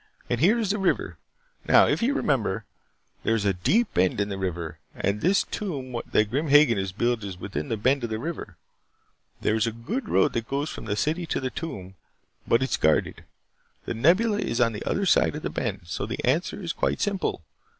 And here is the river. Now, if you remember, there is a deep bend in the river, and this tomb that Grim Hagen has built is within the bend of the river. There is a good road that goes from the city to the tomb, but it is guarded. The Nebula is on the other side of the bend. So the answer is quite simple.